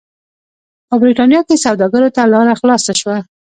په برېټانیا کې سوداګرو ته لار خلاصه شوه.